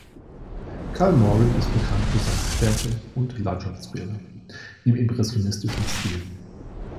Kallmorgen ist bekannt für seine Städte- und Landschaftsbilder im impressionistischen Stil.